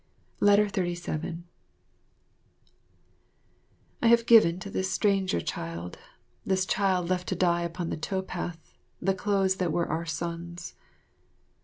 37 I have given to this stranger child, this child left to die upon the tow path, the clothes that were our son's.